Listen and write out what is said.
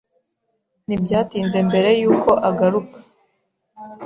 Ntibyatinze mbere yuko agaruka.